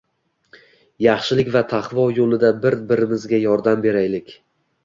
Yaxshilik va taqvo yoʻlida bir birimizga yordam beraylik